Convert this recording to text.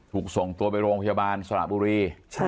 ถูกส่งตัวไปโรงพยาบาลสระบุรี